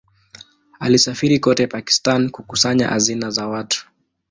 Alisafiri kote Pakistan kukusanya hazina za watu.